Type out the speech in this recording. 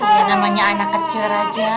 iya namanya anak kecil raja